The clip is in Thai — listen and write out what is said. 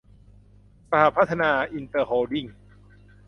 สหพัฒนาอินเตอร์โฮลดิ้ง